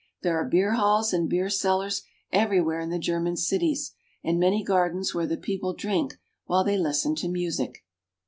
There are beer halls and beer cellars everywhere in the German cities, and many gardens where the people drink while they listen to music.